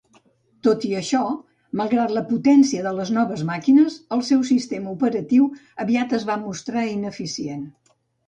Tot i això, malgrat la potència de les noves màquines, el seu sistema operatiu aviat es va mostrar ineficient.